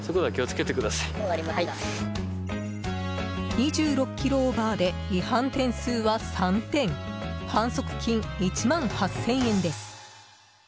２６キロオーバーで違反点数は３点反則金１万８０００円です。